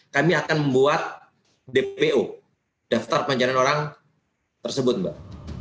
kami akan membuat dpo daftar pencarian orang tersebut mbak